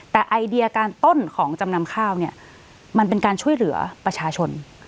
แต่ไอเดียการต้นของจำนำข้าวเนี่ยมันเป็นการช่วยเหลือประชาชน